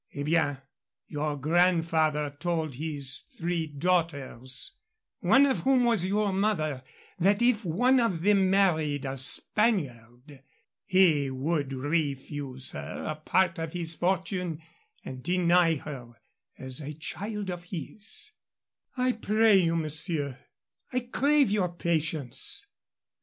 Eh bien. Your grandfather told his three daughters one of whom was your mother that if one of them married a Spaniard he would refuse her a part of his fortune and deny her as a child of his " "I pray you, monsieur " "I crave your patience.